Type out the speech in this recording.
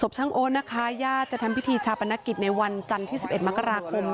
ช่างโอ๊ตนะคะญาติจะทำพิธีชาปนกิจในวันจันทร์ที่๑๑มกราคม